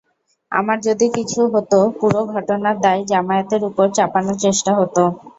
আমার যদি কিছু হতো, পুরো ঘটনার দায় জামায়াতের ওপর চাপানোর চেষ্টা হতো।